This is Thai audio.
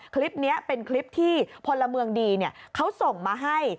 คลิปนี้เป็นคลิปที่พลเมืองดีเขาส่งมาให้